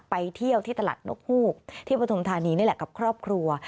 ไปเที่ยวที่ตลาดนกฮูกที่ปฐุมธานีนี่แหละกับครอบครัว